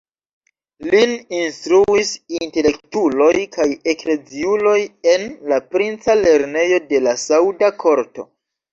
Lin instruis intelektuloj kaj ekleziuloj en la princa lernejo de la sauda korto.